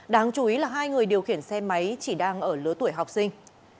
đáng chú ý là hai người điều khiển xe máy chỉ đang ở lứa tuổi học sinh